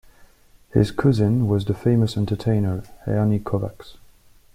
His cousin was the famous entertainer Ernie Kovacs.